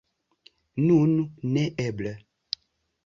Nun neeble!